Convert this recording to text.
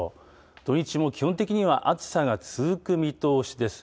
土日も基本的には暑さが続く見通しです。